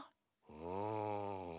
うん？